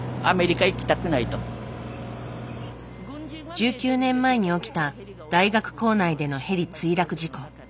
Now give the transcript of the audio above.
１９年前に起きた大学構内でのヘリ墜落事故。